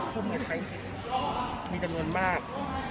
ผมไม่ใช้สิทธิ์มีจำนวนมาก